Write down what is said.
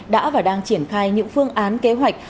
đã và đang triển khai những phương án kế hoạch